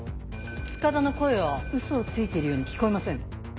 塚田の声はウソをついているように聞こえません。